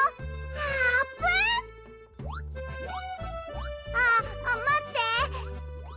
ああっまって！